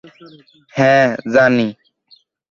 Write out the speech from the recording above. হ্যাঁঁ, জানি।